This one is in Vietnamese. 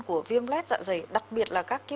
của viêm lết dạ dày đặc biệt là các cái